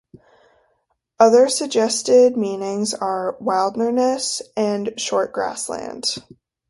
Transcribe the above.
Other suggested meanings are "wildnerness" and "short grassland".